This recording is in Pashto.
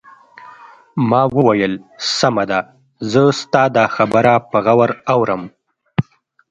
ما وویل: سمه ده، زه ستا دا خبره په غور اورم.